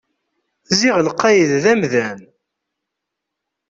Ziɣ lqayed d amdan!